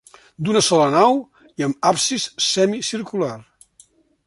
D'una sola nau i amb absis semicircular.